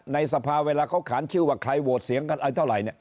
ในสภาเวลาเขาขานชื่อว่าใครโหวตเสียงกันอะไรเท่าไหร่เนี่ย